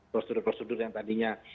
prosedur prosedur yang tadinya